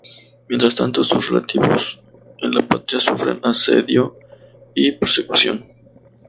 Mientras tanto, sus relativos en la patria sufren asedio y persecución.